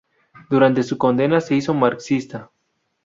Durante su condena se hizo marxista.